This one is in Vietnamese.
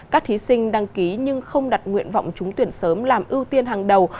các thí sinh đăng ký nhưng không đặt nguyện vọng trúng tuyển sớm làm ưu tiên hàng đầu